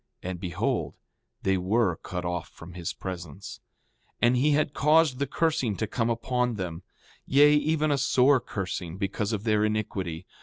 And behold, they were cut off from his presence. 5:21 And he had caused the cursing to come upon them, yea, even a sore cursing, because of their iniquity.